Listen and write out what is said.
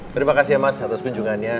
terima kasih ya mas atas kunjungannya